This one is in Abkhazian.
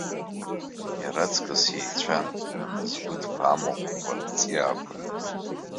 Иара аҵкыс иеицәан амызгәыҭқәа, амахәқәа, авҵиаақәа.